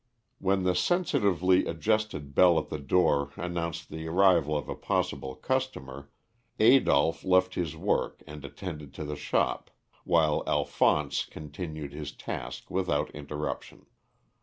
When the sensitively adjusted bell at the door announced the arrival of a possible customer, Adolph left his work and attended to the shop, while Alphonse continued his task without interruption.